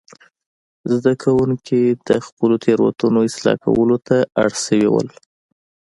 زده کوونکي د خپلو تېروتنو اصلاح کولو ته اړ شوي وو.